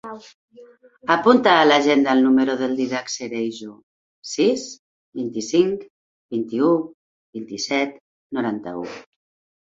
Apunta a l'agenda el número del Dídac Cereijo: sis, vint-i-cinc, vint-i-u, vint-i-set, noranta-u.